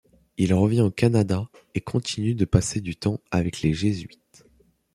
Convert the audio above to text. Il revient au Canada et continue de passer du temps avec les Jésuites.